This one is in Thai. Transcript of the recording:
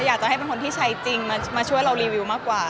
อยากจะให้เป็นคนที่ใช้จริงมาช่วยเรารีวิวมากกว่า